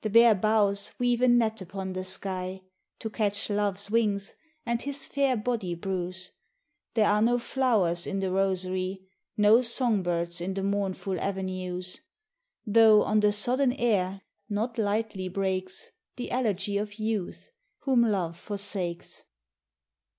The bare boughs weave a net upon the sky To catch Love's wings and his fair body bruise ; There are no flowers in the rosary No song birds in the mournful avenues ; Though on the sodden air not lightly breaks The elegy of Youth, whom love forsakes.